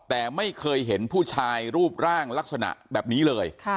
แต่ไม่เคยเห็นผู้ชายรูปร่างลักษณะแบบนี้เลย